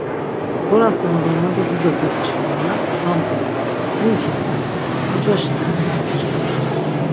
Mgorasunon mado dido dopçvi mara va mgoru, mu ikips atzi, muç̆oşi ren, mis uçkin.